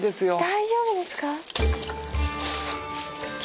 大丈夫ですか？